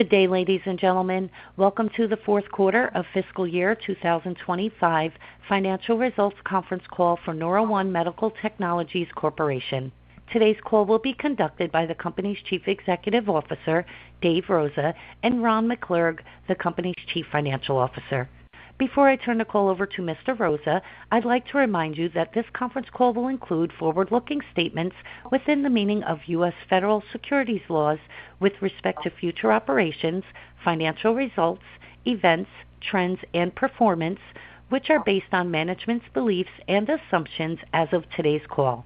Good day, ladies and gentlemen. Welcome to the Fourth Quarter of Fiscal Year 2025 Financial Results Conference Call for NeuroOne Medical Technologies Corporation. Today's call will be conducted by the company's Chief Executive Officer, Dave Rosa, and Ron McClurg, the company's Chief Financial Officer. Before I turn the call over to Mr. Rosa, I'd like to remind you that this conference call will include forward-looking statements within the meaning of U.S. Federal Securities Laws with respect to future operations, financial results, events, trends, and performance, which are based on management's beliefs and assumptions as of today's call.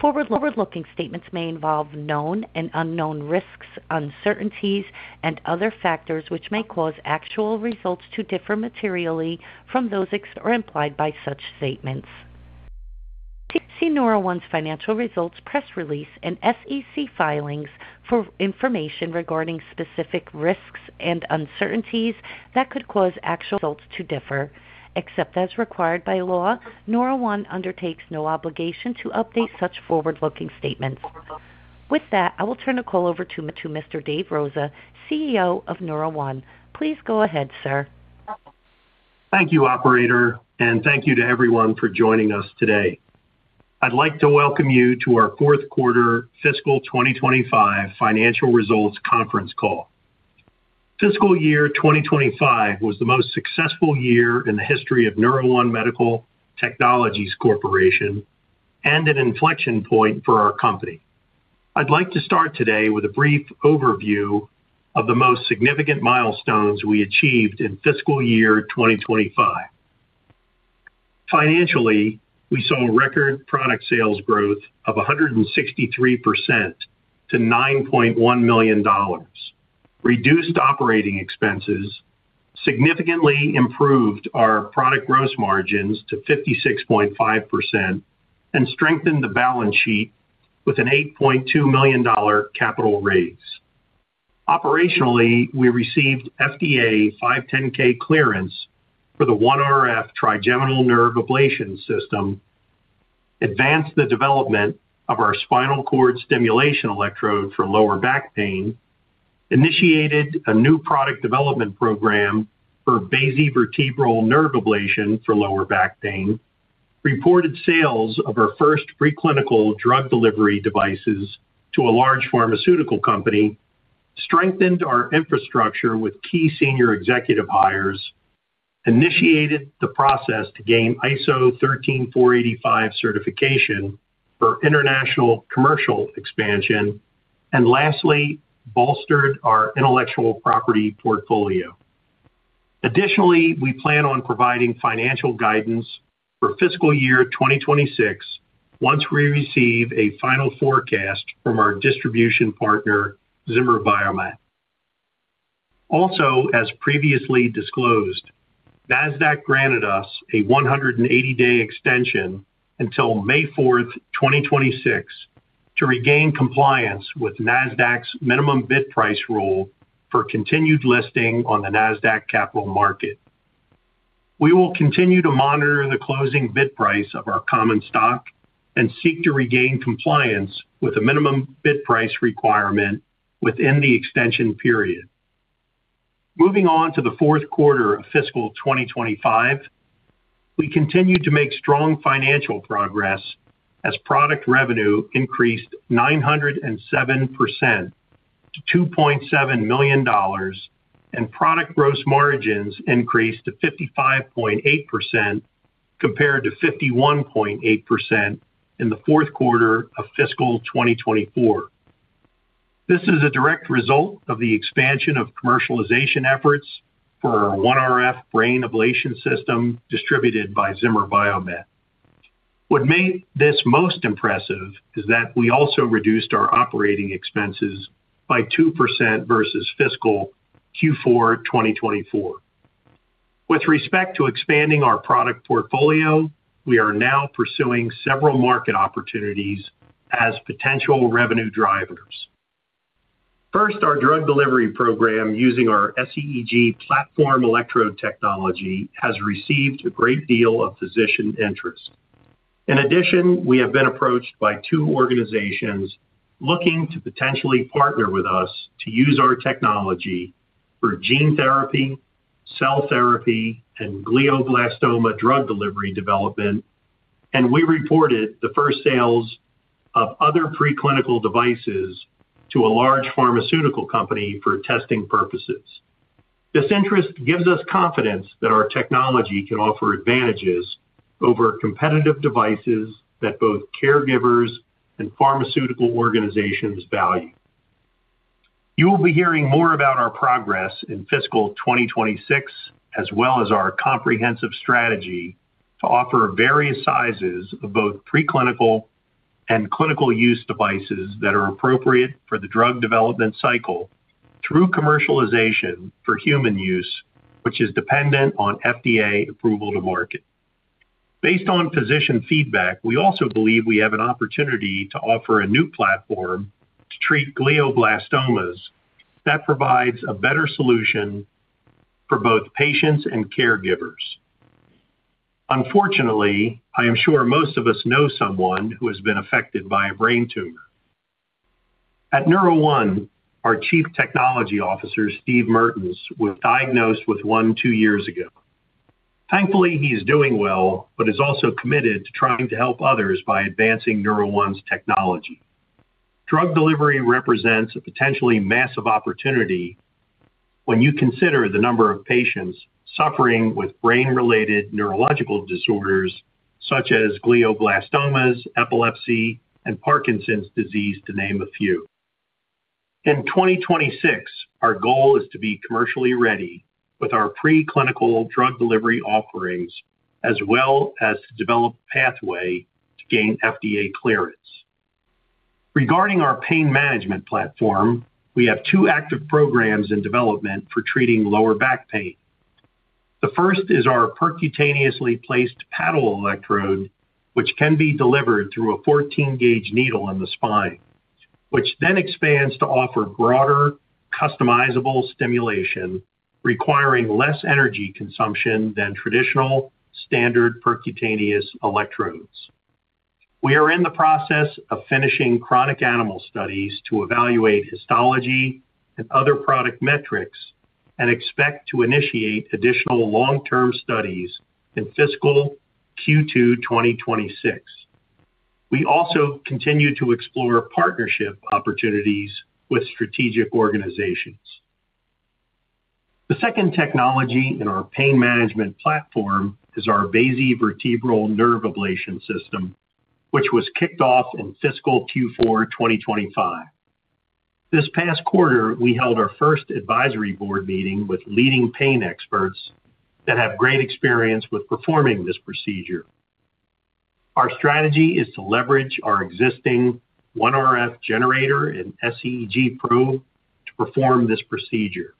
Forward-looking statements may involve known and unknown risks, uncertainties, and other factors which may cause actual results to differ materially from those implied by such statements. See NeuroOne's financial results press release and SEC filings for information regarding specific risks and uncertainties that could cause actual results to differ. Except as required by law, NeuroOne undertakes no obligation to update such forward-looking statements. With that, I will turn the call over to Mr. Dave Rosa, CEO of NeuroOne. Please go ahead, sir. Thank you, operator, and thank you to everyone for joining us today. I'd like to welcome you to our Fourth Quarter Fiscal 2025 Financial Results Conference Call. Fiscal year 2025 was the most successful year in the history of NeuroOne Medical Technologies Corporation and an inflection point for our company. I'd like to start today with a brief overview of the most significant milestones we achieved in fiscal year 2025. Financially, we saw record product sales growth of 163% to $9.1 million. Reduced operating expenses significantly improved our product gross margins to 56.5% and strengthened the balance sheet with an $8.2 million capital raise. Operationally, we received FDA 510(k) clearance for the OneRF trigeminal nerve ablation system, advanced the development of our spinal cord stimulation electrode for lower back pain, initiated a new product development program for basivertebral nerve ablation for lower back pain, reported sales of our first preclinical drug delivery devices to a large pharmaceutical company, strengthened our infrastructure with key senior executive hires, initiated the process to gain ISO 13485 certification for international commercial expansion, and lastly, bolstered our intellectual property portfolio. Additionally, we plan on providing financial guidance for fiscal year 2026 once we receive a final forecast from our distribution partner, Zimmer Biomet. Also, as previously disclosed, Nasdaq granted us a 180-day extension until May 4, 2026, to regain compliance with Nasdaq's minimum bid price rule for continued listing on the Nasdaq Capital Market. We will continue to monitor the closing bid price of our common stock and seek to regain compliance with the minimum bid price requirement within the extension period. Moving on to the fourth quarter of fiscal 2025, we continue to make strong financial progress as product revenue increased 907% to $2.7 million and product gross margins increased to 55.8% compared to 51.8% in the fourth quarter of fiscal 2024. This is a direct result of the expansion of commercialization efforts for our OneRF brain ablation system distributed by Zimmer Biomet. What made this most impressive is that we also reduced our operating expenses by 2% versus fiscal Q4 2024. With respect to expanding our product portfolio, we are now pursuing several market opportunities as potential revenue drivers. First, our drug delivery program using our SEEG platform electrode technology has received a great deal of physician interest. In addition, we have been approached by two organizations looking to potentially partner with us to use our technology for gene therapy, cell therapy, and glioblastoma drug delivery development, and we reported the first sales of other preclinical devices to a large pharmaceutical company for testing purposes. This interest gives us confidence that our technology can offer advantages over competitive devices that both caregivers and pharmaceutical organizations value. You will be hearing more about our progress in fiscal 2026, as well as our comprehensive strategy to offer various sizes of both preclinical and clinical use devices that are appropriate for the drug development cycle through commercialization for human use, which is dependent on FDA approval to market. Based on physician feedback, we also believe we have an opportunity to offer a new platform to treat glioblastomas that provides a better solution for both patients and caregivers. Unfortunately, I am sure most of us know someone who has been affected by a brain tumor. At NeuroOne, our Chief Technology Officer, Steve Mertens, was diagnosed with one two years ago. Thankfully, he is doing well but is also committed to trying to help others by advancing NeuroOne's technology. Drug delivery represents a potentially massive opportunity when you consider the number of patients suffering with brain-related neurological disorders such as glioblastomas, epilepsy, and Parkinson's disease, to name a few. In 2026, our goal is to be commercially ready with our preclinical drug delivery offerings, as well as to develop a pathway to gain FDA clearance. Regarding our pain management platform, we have two active programs in development for treating lower back pain. The first is our percutaneously placed paddle electrode, which can be delivered through a 14-gauge needle in the spine, which then expands to offer broader, customizable stimulation requiring less energy consumption than traditional standard percutaneous electrodes. We are in the process of finishing chronic animal studies to evaluate histology and other product metrics and expect to initiate additional long-term studies in fiscal Q2 2026. We also continue to explore partnership opportunities with strategic organizations. The second technology in our pain management platform is our basivertebral nerve ablation system, which was kicked off in fiscal Q4 2025. This past quarter, we held our first advisory board meeting with leading pain experts that have great experience with performing this procedure. Our strategy is to leverage our existing OneRF generator and SEEG probe to perform this procedure.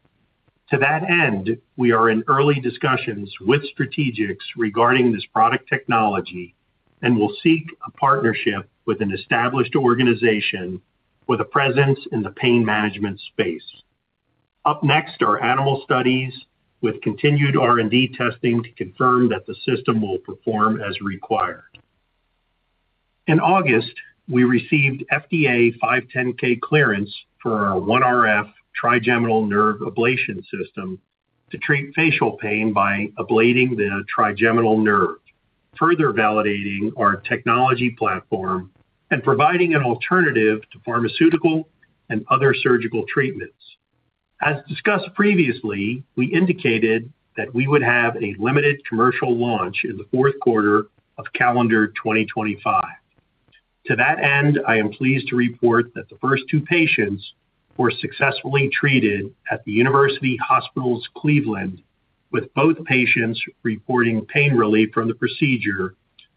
To that end, we are in early discussions with strategics regarding this product technology and will seek a partnership with an established organization with a presence in the pain management space. Up next are animal studies with continued R&D testing to confirm that the system will perform as required. In August, we received FDA 510(k) clearance for our OneRF trigeminal nerve ablation system to treat facial pain by ablating the trigeminal nerve, further validating our technology platform and providing an alternative to pharmaceutical and other surgical treatments. As discussed previously, we indicated that we would have a limited commercial launch in the fourth quarter of calendar 2025. To that end, I am pleased to report that the first two patients were successfully treated at the University Hospitals Cleveland, with both patients reporting pain relief from the procedure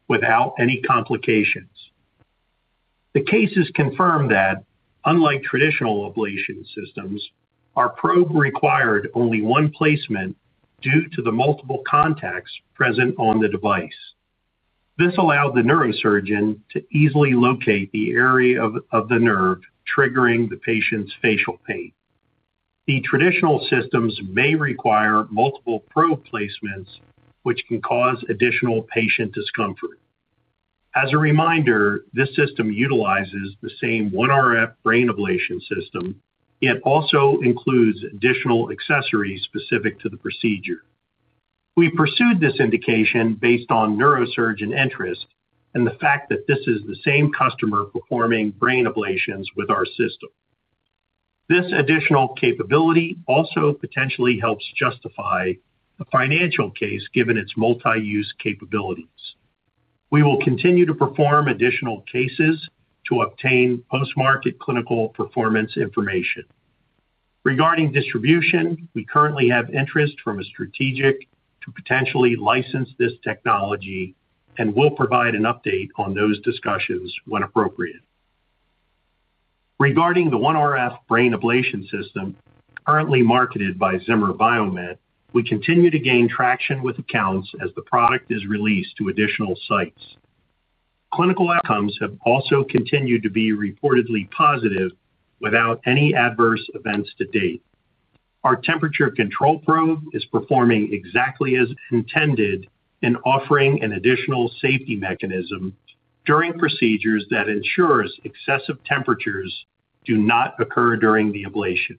without any complications. The cases confirm that, unlike traditional ablation systems, our probe required only one placement due to the multiple contacts present on the device. This allowed the neurosurgeon to easily locate the area of the nerve triggering the patient's facial pain. The traditional systems may require multiple probe placements, which can cause additional patient discomfort. As a reminder, this system utilizes the same OneRF brain ablation system, yet also includes additional accessories specific to the procedure. We pursued this indication based on neurosurgeon interest and the fact that this is the same customer performing brain ablations with our system. This additional capability also potentially helps justify the financial case given its multi-use capabilities. We will continue to perform additional cases to obtain post-market clinical performance information. Regarding distribution, we currently have interest from a strategic to potentially license this technology and will provide an update on those discussions when appropriate. Regarding the OneRF brain ablation system, currently marketed by Zimmer Biomet, we continue to gain traction with accounts as the product is released to additional sites. Clinical outcomes have also continued to be reportedly positive without any adverse events to date. Our temperature control probe is performing exactly as intended and offering an additional safety mechanism during procedures that ensures excessive temperatures do not occur during the ablation.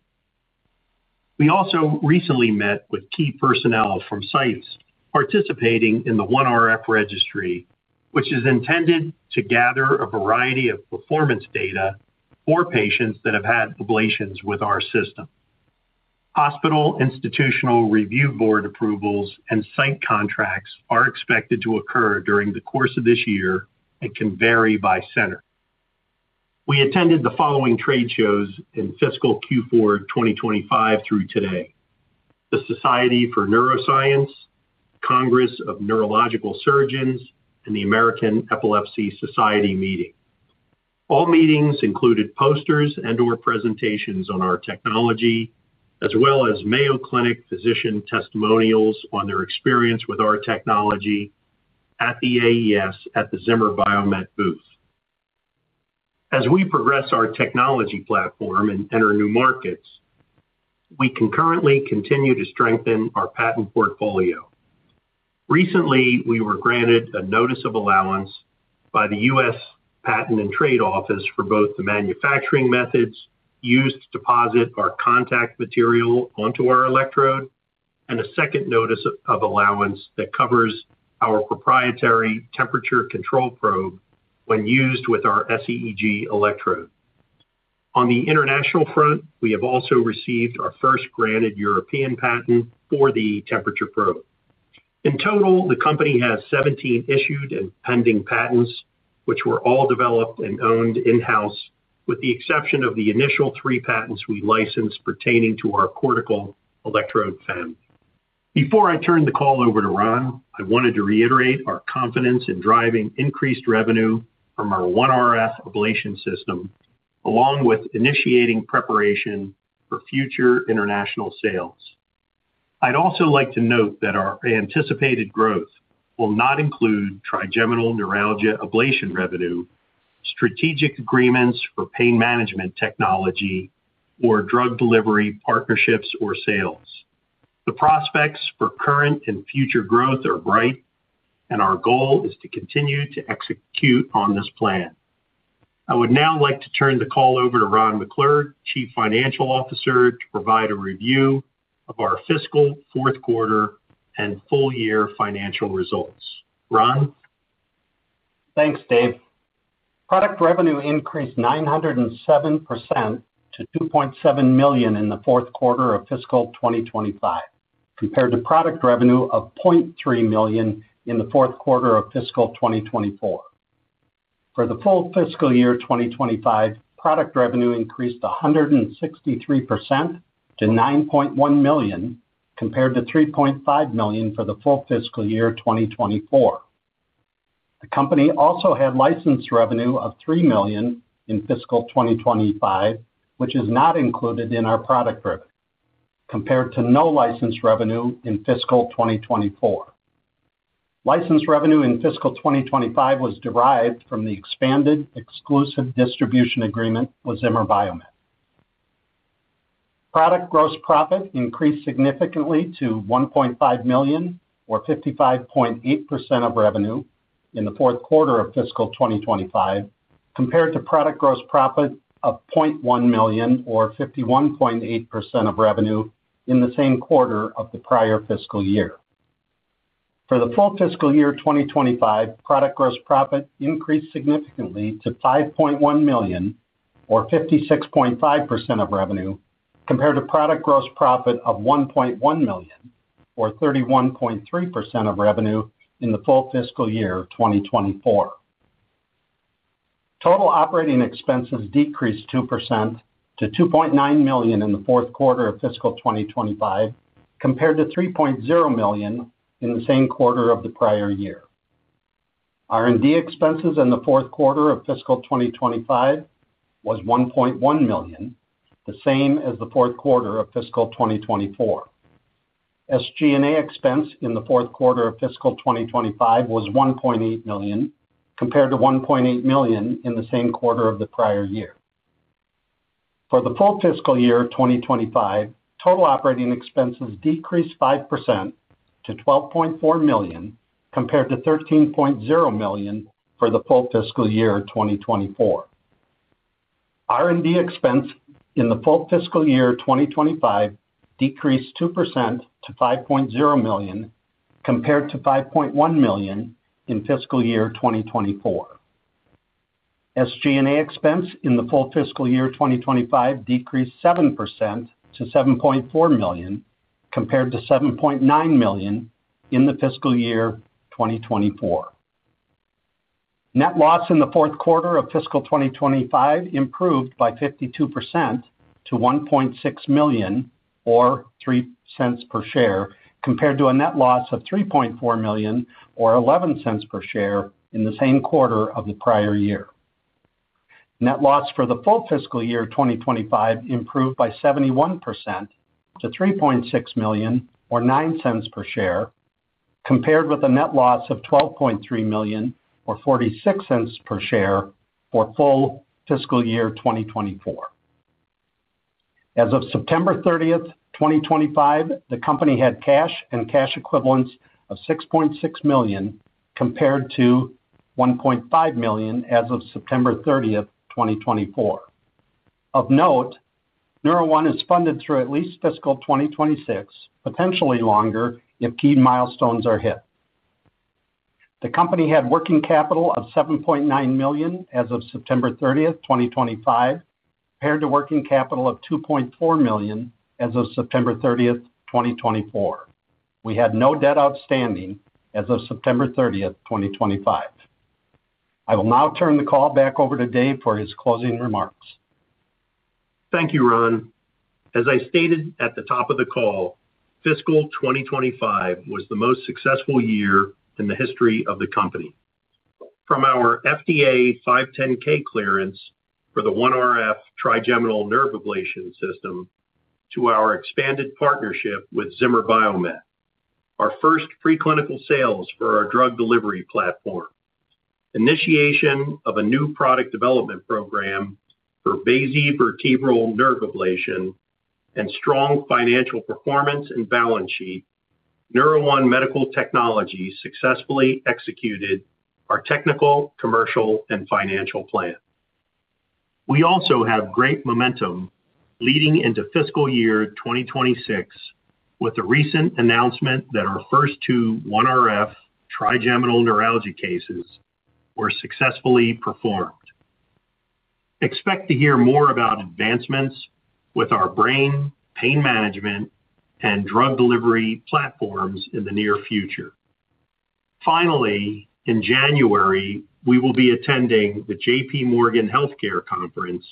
We also recently met with key personnel from sites participating in the OneRF registry, which is intended to gather a variety of performance data for patients that have had ablations with our system. Hospital institutional review board approvals and site contracts are expected to occur during the course of this year and can vary by center. We attended the following trade shows in fiscal Q4 2025 through today: the Society for Neuroscience, Congress of Neurological Surgeons, and the American Epilepsy Society meeting. All meetings included posters and/or presentations on our technology, as well as Mayo Clinic physician testimonials on their experience with our technology at the AES at the Zimmer Biomet booth. As we progress our technology platform and enter new markets, we can currently continue to strengthen our patent portfolio. Recently, we were granted a notice of allowance by the U.S. Patent and Trademark Office for both the manufacturing methods used to deposit our contact material onto our electrode and a second notice of allowance that covers our proprietary temperature control probe when used with our SEEG electrode. On the international front, we have also received our first granted European patent for the temperature probe. In total, the company has 17 issued and pending patents, which were all developed and owned in-house, with the exception of the initial three patents we licensed pertaining to our cortical electrode family. Before I turn the call over to Ron, I wanted to reiterate our confidence in driving increased revenue from our OneRF ablation system, along with initiating preparation for future international sales. I'd also like to note that our anticipated growth will not include trigeminal neuralgia ablation revenue, strategic agreements for pain management technology, or drug delivery partnerships or sales. The prospects for current and future growth are bright, and our goal is to continue to execute on this plan. I would now like to turn the call over to Ron McClurg, Chief Financial Officer, to provide a review of our fiscal fourth quarter and full-year financial results. Ron? Thanks, Dave. Product revenue increased 907% to $2.7 million in the fourth quarter of fiscal 2025, compared to product revenue of $0.3 million in the fourth quarter of fiscal 2024. For the full fiscal year 2025, product revenue increased 163% to $9.1 million, compared to $3.5 million for the full fiscal year 2024. The company also had license revenue of $3 million in fiscal 2025, which is not included in our product revenue, compared to no license revenue in fiscal 2024. License revenue in fiscal 2025 was derived from the expanded exclusive distribution agreement with Zimmer Biomet. Product gross profit increased significantly to $1.5 million, or 55.8% of revenue, in the fourth quarter of fiscal 2025, compared to product gross profit of $0.1 million, or 51.8% of revenue, in the same quarter of the prior fiscal year. For the full fiscal year 2025, product gross profit increased significantly to $5.1 million, or 56.5% of revenue, compared to product gross profit of $1.1 million, or 31.3% of revenue, in the full fiscal year 2024. Total operating expenses decreased 2% to $2.9 million in the fourth quarter of fiscal 2025, compared to $3.0 million in the same quarter of the prior year. R&D expenses in the fourth quarter of fiscal 2025 was $1.1 million, the same as the fourth quarter of fiscal 2024. SG&A expense in the fourth quarter of fiscal 2025 was $1.8 million, compared to $1.8 million in the same quarter of the prior year. For the full fiscal year 2025, total operating expenses decreased 5% to $12.4 million, compared to $13.0 million for the full fiscal year 2024. R&D expense in the full fiscal year 2025 decreased 2% to $5.0 million, compared to $5.1 million in fiscal year 2024. SG&A expense in the full fiscal year 2025 decreased 7% to $7.4 million, compared to $7.9 million in the fiscal year 2024. Net loss in the fourth quarter of fiscal 2025 improved by 52% to $1.6 million, or $0.03 per share, compared to a net loss of $3.4 million, or $0.11 per share, in the same quarter of the prior year.Net loss for the full fiscal year 2025 improved by 71% to $3.6 million, or $0.09 per share, compared with a net loss of $12.3 million, or $0.46 per share, for full fiscal year 2024. As of September 30, 2025, the company had cash and cash equivalents of $6.6 million, compared to $1.5 million as of September 30, 2024. Of note, NeuroOne is funded through at least fiscal 2026, potentially longer if key milestones are hit. The company had working capital of $7.9 million as of September 30, 2025, compared to working capital of $2.4 million as of September 30, 2024. We had no debt outstanding as of September 30, 2025. I will now turn the call back over to Dave for his closing remarks. Thank you, Ron. As I stated at the top of the call, fiscal 2025 was the most successful year in the history of the company. From our FDA 510(k) clearance for the OneRF trigeminal nerve ablation system to our expanded partnership with Zimmer Biomet, our first preclinical sales for our drug delivery platform, initiation of a new product development program for Basivertebral nerve (BVN) ablation, and strong financial performance and balance sheet, NeuroOne Medical Technologies successfully executed our technical, commercial, and financial plan. We also have great momentum leading into fiscal year 2026 with the recent announcement that our first two OneRF trigeminal neuralgia cases were successfully performed. Expect to hear more about advancements with our brain, pain management, and drug delivery platforms in the near future. Finally, in January, we will be attending the J.P. Morgan Healthcare Conference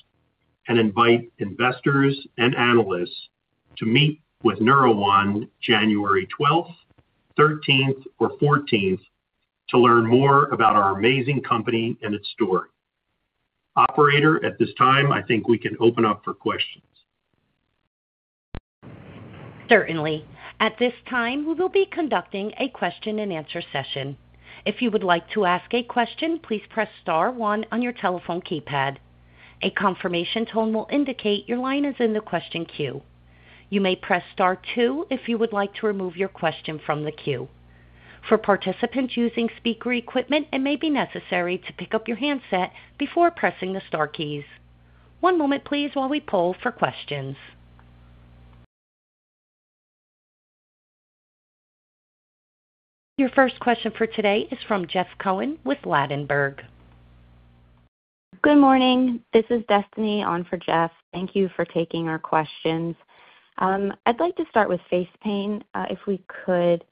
and invite investors and analysts to meet with NeuroOne January 12th, 13th, or 14th to learn more about our amazing company and its story. Operator, at this time, I think we can open up for questions. Certainly. At this time, we will be conducting a question-and-answer session. If you would like to ask a question, please press star one on your telephone keypad. A confirmation tone will indicate your line is in the question queue. You may press star two if you would like to remove your question from the queue. For participants using speaker equipment, it may be necessary to pick up your handset before pressing the star keys. One moment, please, while we poll for questions. Your first question for today is from Jeff Cohen with Ladenburg. Good morning. This is Destiny on for Jeff. Thank you for taking our questions. I'd like to start with face pain. If we could,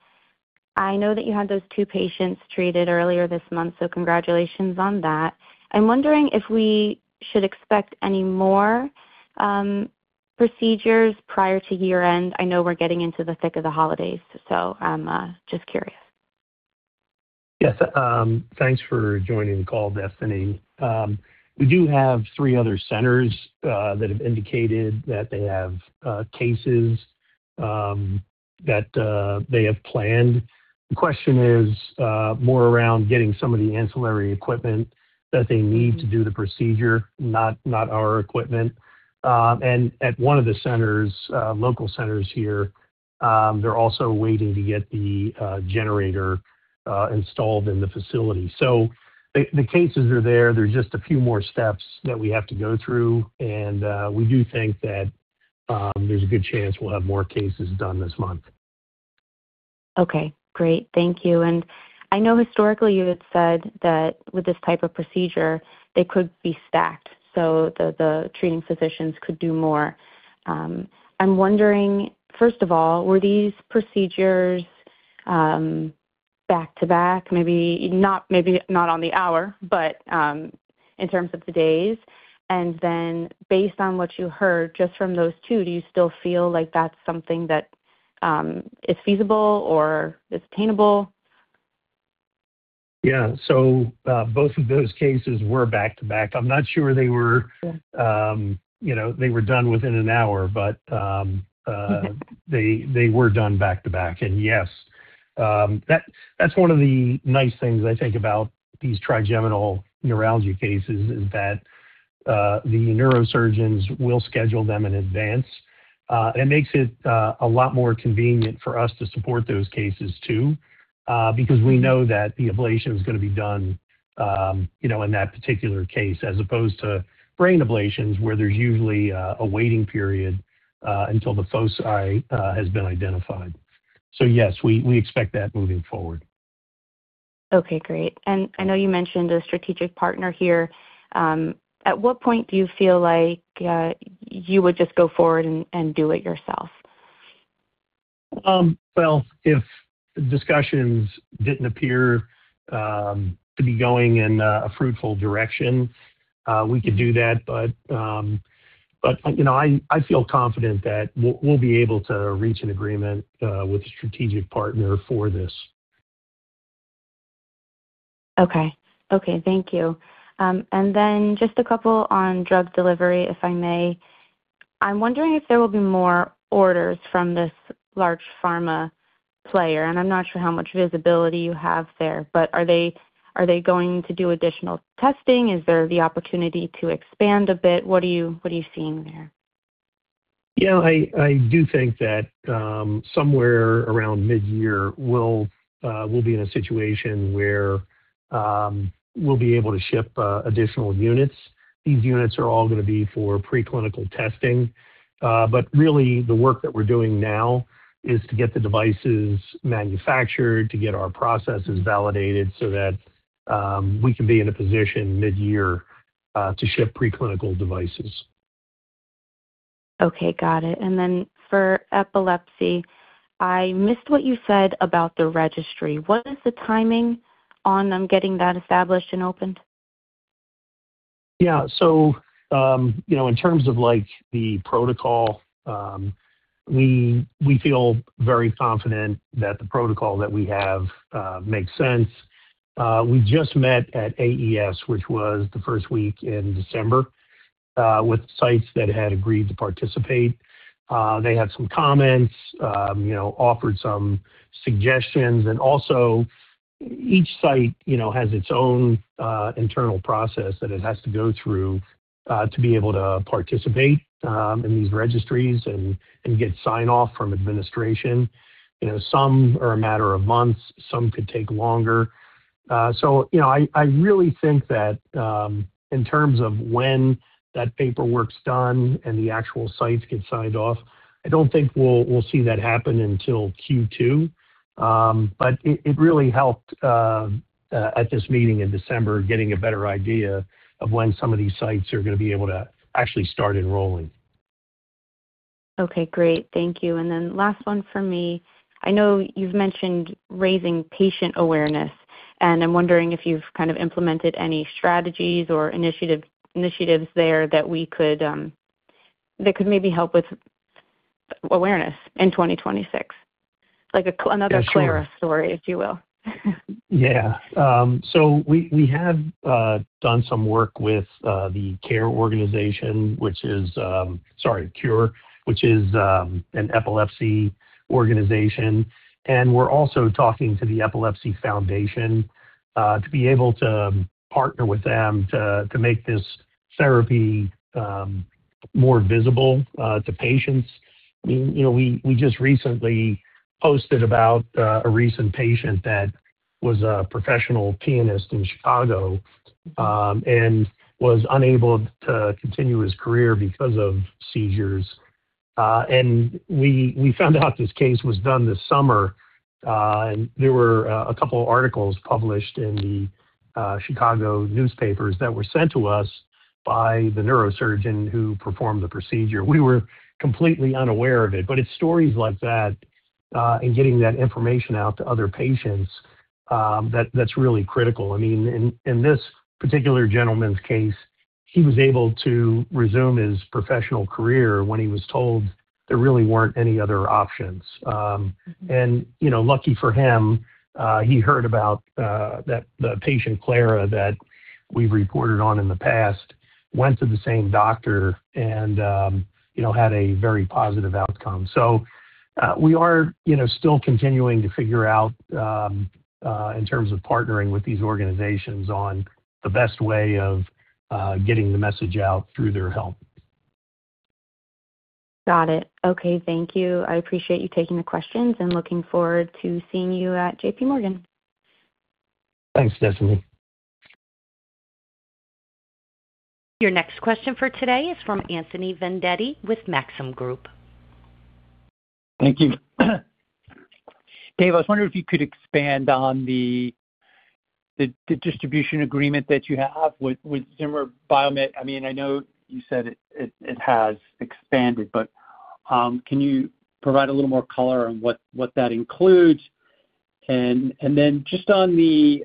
I know that you had those two patients treated earlier this month, so congratulations on that. I'm wondering if we should expect any more procedures prior to year-end. I know we're getting into the thick of the holidays, so I'm just curious. Yes. Thanks for joining the call, Destiny. We do have three other centers that have indicated that they have cases that they have planned. The question is more around getting some of the ancillary equipment that they need to do the procedure, not our equipment. And at one of the centers, local centers here, they're also waiting to get the generator installed in the facility. So the cases are there. There's just a few more steps that we have to go through, and we do think that there's a good chance we'll have more cases done this month. Okay. Great. Thank you. And I know historically you had said that with this type of procedure, they could be stacked, so the treating physicians could do more. I'm wondering, first of all, were these procedures back to back, maybe not on the hour, but in terms of the days? And then based on what you heard just from those two, do you still feel like that's something that is feasible or is attainable? Yeah. So both of those cases were back to back. I'm not sure they were done within an hour, but they were done back to back. And yes, that's one of the nice things I think about these trigeminal neuralgia cases is that the neurosurgeons will schedule them in advance. It makes it a lot more convenient for us to support those cases too because we know that the ablation is going to be done in that particular case as opposed to brain ablations where there's usually a waiting period until the foci has been identified. So yes, we expect that moving forward. Okay. Great. And I know you mentioned a strategic partner here. At what point do you feel like you would just go forward and do it yourself? Well, if discussions didn't appear to be going in a fruitful direction, we could do that. But I feel confident that we'll be able to reach an agreement with a strategic partner for this. Okay. Okay. Thank you. And then just a couple on drug delivery, if I may. I'm wondering if there will be more orders from this large pharma player. And I'm not sure how much visibility you have there, but are they going to do additional testing? Is there the opportunity to expand a bit? What are you seeing there? Yeah. I do think that somewhere around mid-year, we'll be in a situation where we'll be able to ship additional units. These units are all going to be for preclinical testing. But really, the work that we're doing now is to get the devices manufactured, to get our processes validated so that we can be in a position mid-year to ship preclinical devices. Okay. Got it. And then for epilepsy, I missed what you said about the registry. What is the timing on getting that established and opened? Yeah. So in terms of the protocol, we feel very confident that the protocol that we have makes sense. We just met at AES, which was the first week in December, with sites that had agreed to participate. They had some comments, offered some suggestions. And also, each site has its own internal process that it has to go through to be able to participate in these registries and get sign-off from administration. Some are a matter of months. Some could take longer. So I really think that in terms of when that paperwork's done and the actual sites get signed off, I don't think we'll see that happen until Q2. But it really helped at this meeting in December, getting a better idea of when some of these sites are going to be able to actually start enrolling. Okay. Great. Thank you. And then last one for me. I know you've mentioned raising patient awareness, and I'm wondering if you've kind of implemented any strategies or initiatives there that could maybe help with awareness in 2026, like another Clara story, if you will. Yeah. So we have done some work with the CARE organization, which is, sorry, CURE, which is an epilepsy organization. And we're also talking to the Epilepsy Foundation to be able to partner with them to make this therapy more visible to patients. We just recently posted about a recent patient that was a professional pianist in Chicago and was unable to continue his career because of seizures. And we found out this case was done this summer. And there were a couple of articles published in the Chicago newspapers that were sent to us by the neurosurgeon who performed the procedure. We were completely unaware of it. But it's stories like that and getting that information out to other patients that's really critical. I mean, in this particular gentleman's case, he was able to resume his professional career when he was told there really weren't any other options. And lucky for him, he heard about the patient Clara that we've reported on in the past went to the same doctor and had a very positive outcome. So we are still continuing to figure out in terms of partnering with these organizations on the best way of getting the message out through their help. Got it. Okay. Thank you. I appreciate you taking the questions and looking forward to seeing you at J.P. Morgan. Thanks, Destiny. Your next question for today is from Anthony Vendetti with Maxim Group. Thank you. Dave, I was wondering if you could expand on the distribution agreement that you have with Zimmer Biomet. I mean, I know you said it has expanded, but can you provide a little more color on what that includes? And then just on the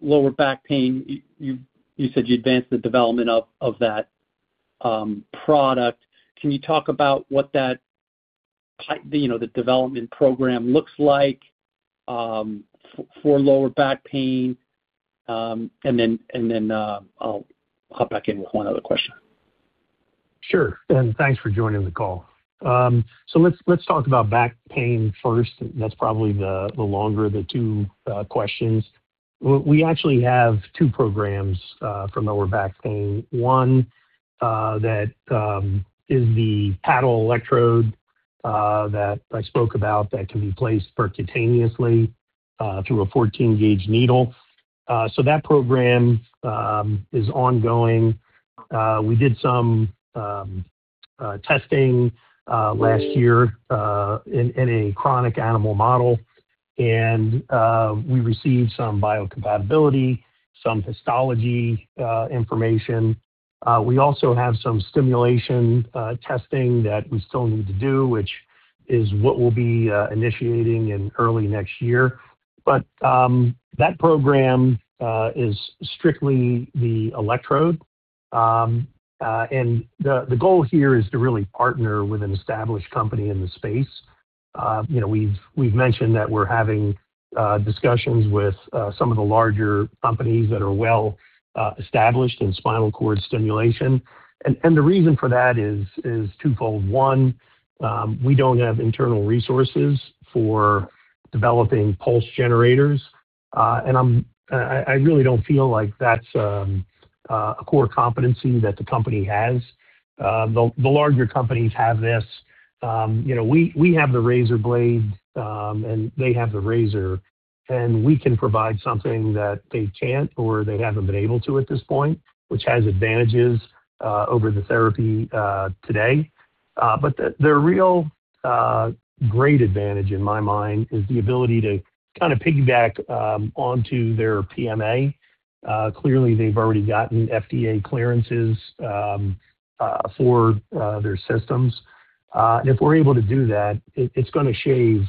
lower back pain, you said you advanced the development of that product. Can you talk about what the development program looks like for lower back pain? And then I'll hop back in with one other question. Sure. And thanks for joining the call. So let's talk about back pain first. That's probably the longer of the two questions. We actually have two programs for lower back pain. One that is the paddle electrode that I spoke about that can be placed percutaneously through a 14-gauge needle. So that program is ongoing. We did some testing last year in a chronic animal model, and we received some biocompatibility, some histology information. We also have some stimulation testing that we still need to do, which is what we'll be initiating in early next year, but that program is strictly the electrode. And the goal here is to really partner with an established company in the space. We've mentioned that we're having discussions with some of the larger companies that are well-established in spinal cord stimulation, and the reason for that is twofold. One, we don't have internal resources for developing pulse generators, and I really don't feel like that's a core competency that the company has. The larger companies have this. We have the razor blade, and they have the razor. We can provide something that they can't or they haven't been able to at this point, which has advantages over the therapy today. The real great advantage in my mind is the ability to kind of piggyback onto their PMA. Clearly, they've already gotten FDA clearances for their systems. If we're able to do that, it's going to shave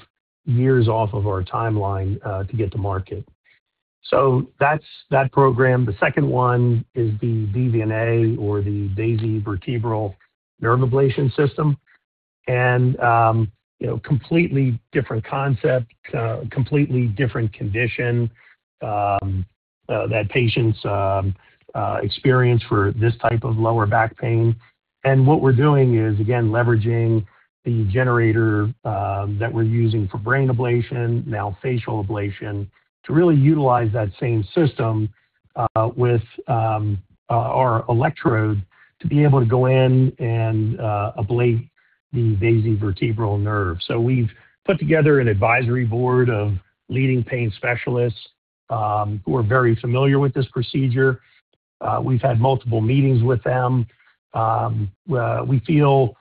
years off of our timeline to get to market. That's that program. The second one is the BVNA, or the Basivertebral Nerve Ablation System. Completely different concept, completely different condition that patients experience for this type of lower back pain. What we're doing is, again, leveraging the generator that we're using for brain ablation, now facial ablation, to really utilize that same system with our electrode to be able to go in and ablate the basivertebral nerve. So we've put together an advisory board of leading pain specialists who are very familiar with this procedure. We've had multiple meetings with them. We feel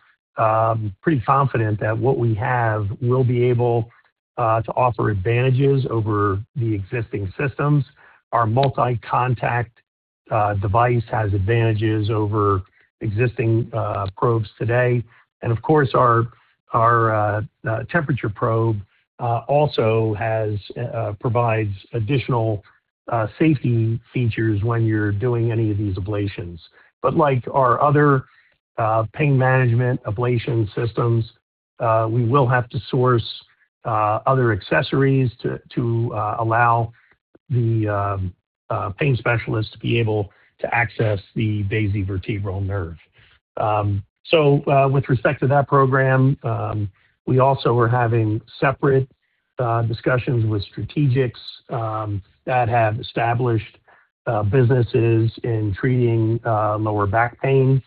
pretty confident that what we have will be able to offer advantages over the existing systems. Our multi-contact device has advantages over existing probes today. And of course, our temperature probe also provides additional safety features when you're doing any of these ablations. But like our other pain management ablation systems, we will have to source other accessories to allow the pain specialists to be able to access the Basivertebral nerve. So with respect to that program, we also are having separate discussions with strategics that have established businesses in treating lower back pain.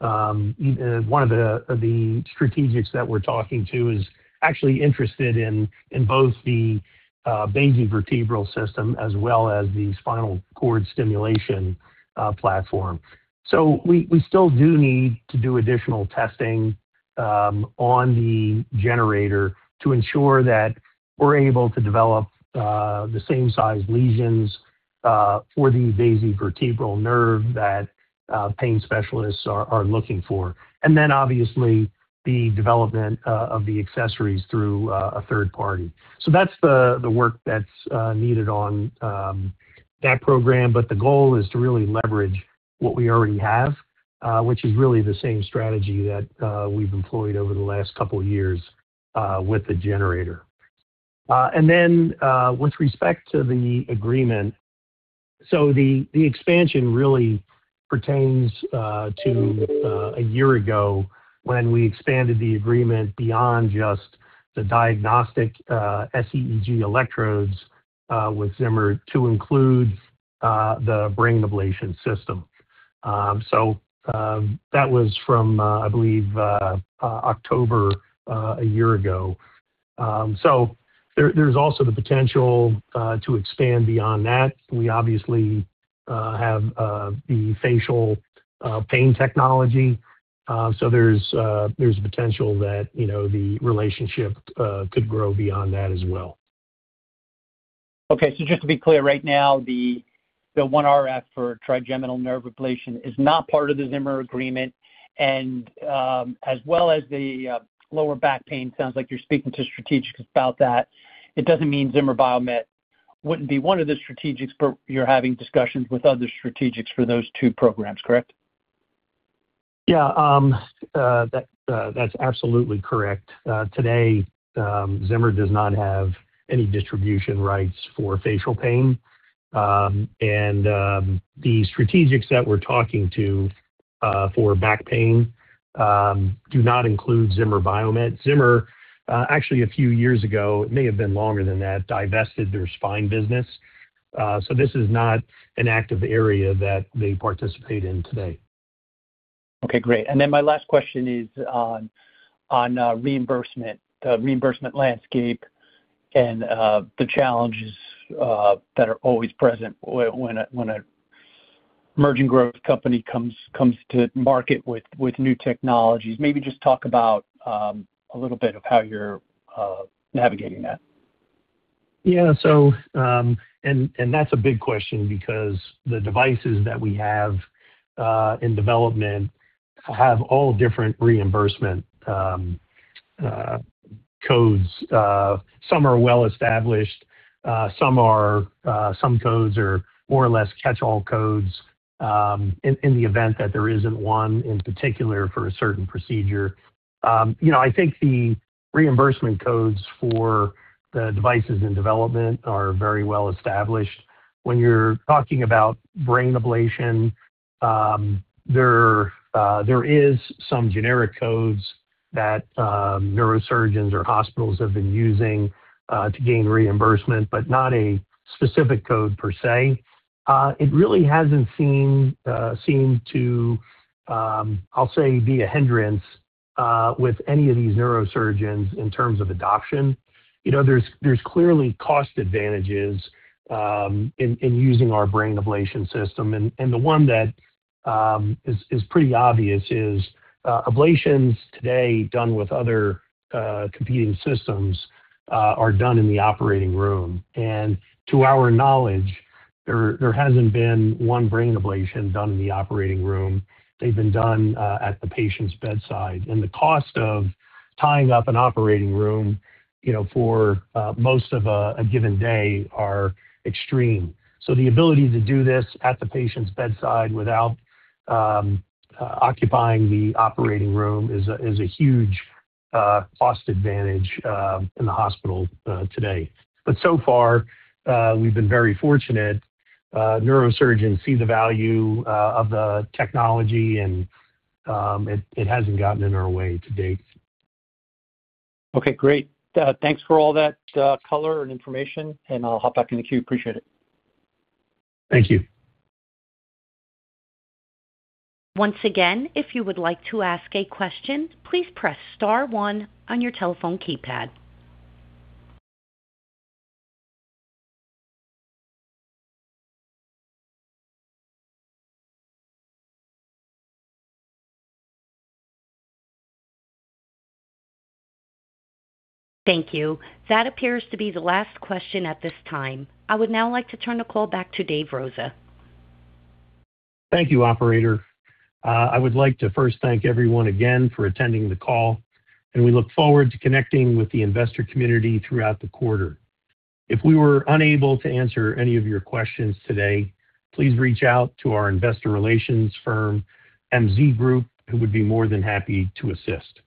One of the strategics that we're talking to is actually interested in both the basivertebral system as well as the spinal cord stimulation platform. We still do need to do additional testing on the generator to ensure that we're able to develop the same-sized lesions for the basivertebral nerve that pain specialists are looking for. And then, obviously, the development of the accessories through a third party. That's the work that's needed on that program. But the goal is to really leverage what we already have, which is really the same strategy that we've employed over the last couple of years with the generator. And then with respect to the agreement, the expansion really pertains to a year ago when we expanded the agreement beyond just the diagnostic SEEG electrodes with Zimmer to include the brain ablation system. That was from, I believe, October a year ago. There's also the potential to expand beyond that. We obviously have the facial pain technology. So there's a potential that the relationship could grow beyond that as well. Okay. So just to be clear, right now, the OneRF for trigeminal nerve ablation is not part of the Zimmer Biomet agreement. And as well as the lower back pain, it sounds like you're speaking to strategics about that. It doesn't mean Zimmer Biomet wouldn't be one of the strategics, but you're having discussions with other strategics for those two programs, correct? Yeah. That's absolutely correct. Today, Zimmer Biomet does not have any distribution rights for facial pain. And the strategics that we're talking to for back pain do not include Zimmer Biomet. Zimmer Biomet, actually, a few years ago, it may have been longer than that, divested their spine business. So this is not an active area that they participate in today. Okay. Great. And then my last question is on reimbursement, the reimbursement landscape, and the challenges that are always present when an emerging growth company comes to market with new technologies. Maybe just talk about a little bit of how you're navigating that. Yeah. And that's a big question because the devices that we have in development have all different reimbursement codes. Some are well-established. Some codes are more or less catch-all codes in the event that there isn't one in particular for a certain procedure. I think the reimbursement codes for the devices in development are very well-established. When you're talking about brain ablation, there are some generic codes that neurosurgeons or hospitals have been using to gain reimbursement, but not a specific code per se. It really hasn't seemed to, I'll say, be a hindrance with any of these neurosurgeons in terms of adoption. There's clearly cost advantages in using our brain ablation system, and the one that is pretty obvious is ablations today done with other competing systems are done in the operating room, and to our knowledge, there hasn't been one brain ablation done in the operating room. They've been done at the patient's bedside, and the cost of tying up an operating room for most of a given day are extreme, so the ability to do this at the patient's bedside without occupying the operating room is a huge cost advantage in the hospital today, but so far, we've been very fortunate. Neurosurgeons see the value of the technology, and it hasn't gotten in our way to date. Okay. Great. Thanks for all that color and information, and I'll hop back in the queue. Appreciate it. Thank you. Once again, if you would like to ask a question, please press Star one on your telephone keypad. Thank you. That appears to be the last question at this time. I would now like to turn the call back to Dave Rosa. Thank you, Operator. I would like to first thank everyone again for attending the call, and we look forward to connecting with the investor community throughout the quarter. If we were unable to answer any of your questions today, please reach out to our investor relations firm, MZ Group, who would be more than happy to assist.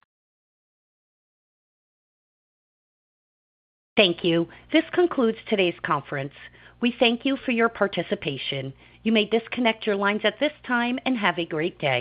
Thank you. This concludes today's conference. We thank you for your participation. You may disconnect your lines at this time and have a great day.